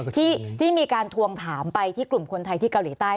ที่มีการทวงถามไปที่กลุ่มคนไทยที่เกาหลีใต้